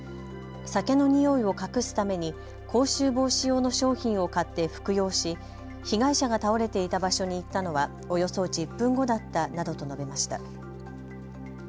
酒の臭いを隠すために口臭防止用の商品を買って服用し被害者が倒れていた場所に行ったのはおよそ１０分後だったなどと述べました。